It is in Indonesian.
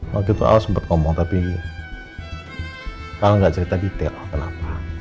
waktu itu al sempat ngomong tapi al gak cerita detail kenapa